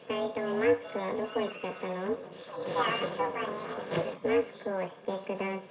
マスクをしてください。